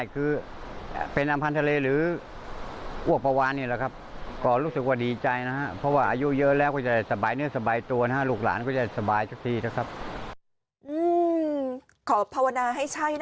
ขอภาวนาให้ใช่นะคะลุงดำเนอะ